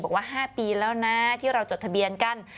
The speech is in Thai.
๕ปีแล้วนะที่เราจดทะเบียนกัน